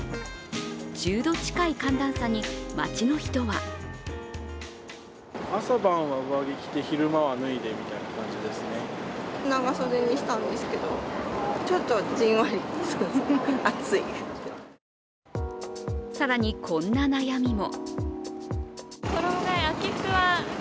１０度近い寒暖差に街の人は更に、こんな悩みも。